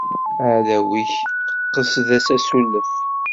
Aɛdaw-ik, qsed-as asulef.